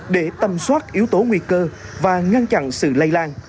để tầm soát yếu tố nguy cơ và ngăn chặn sự lây lan